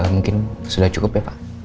mungkin sudah cukup ya pak